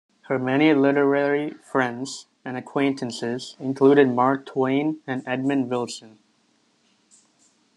Her many literary friends and acquaintances included Mark Twain and Edmund Wilson.